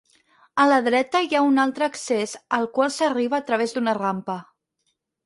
A la dreta hi ha un altre accés al qual s'arriba a través d'una rampa.